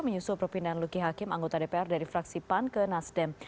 menyusul perpindahan luki hakim anggota dpr dari fraksi pan ke nasdem